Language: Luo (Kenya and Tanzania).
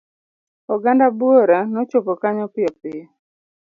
Oganda buora nochopo kanyo piyo piyo.